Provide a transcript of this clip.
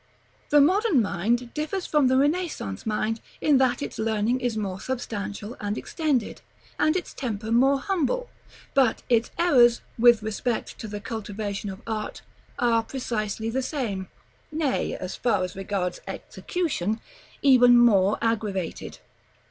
§ V. The modern mind differs from the Renaissance mind in that its learning is more substantial and extended, and its temper more humble; but its errors, with respect to the cultivation of art, are precisely the same, nay, as far as regards execution, even more aggravated.